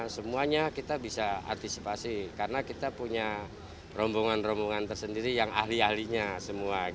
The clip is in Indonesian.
semuanya kita bisa antisipasi karena kita punya rombongan rombongan tersendiri yang ahli ahlinya semua